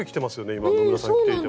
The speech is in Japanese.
今野村さん着ていても。